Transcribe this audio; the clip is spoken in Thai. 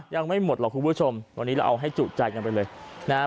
ยังไม่หมดหรอกคุณผู้ชมวันนี้เราเอาให้จุใจกันไปเลยนะฮะ